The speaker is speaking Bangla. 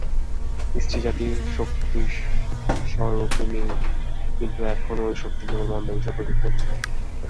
স্ত্রীজাতি শক্তিস্বরূপিণী, কিন্তু এখন ঐ শক্তি কেবল মন্দ বিষয়ে প্রযুক্ত হচ্ছে।